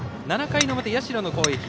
７回の表、社の攻撃。